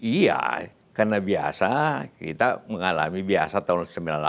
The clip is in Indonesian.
iya karena biasa kita mengalami biasa tahun sembilan puluh delapan enam puluh enam dua ribu delapan